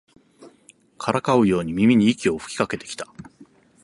からかうように耳に息を吹きかけてきた